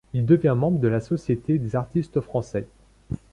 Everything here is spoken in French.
Il devient membre de la Société des artistes français.